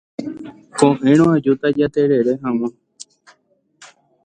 Ko'ẽrõ ajúta jaterere hag̃ua.